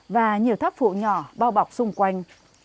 và nhiều tháp phụ nhỏ bao bọc xung quanh